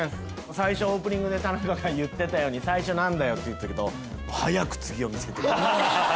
最初オープニングで田中が言ってたように最初なんだよって言ってたけど。